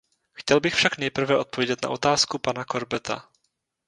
Chtěl bych však nejprve odpovědět na otázku pana Corbetta.